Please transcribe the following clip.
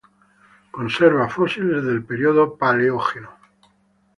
Conserva fósiles del periodo Paleógeno.